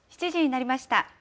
７時になりました。